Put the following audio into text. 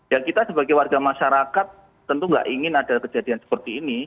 ya kita sebagai warga masyarakat tentu nggak ingin ada kejadian seperti ini